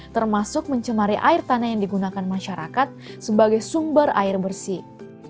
termasuk mencemari air tanah yang digunakan masyarakat sebagai sumber air bersih